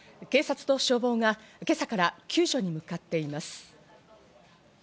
警察と消防が今朝から救助に向かっています。